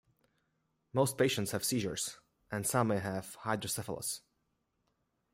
Most patients have seizures, and some may have hydrocephalus.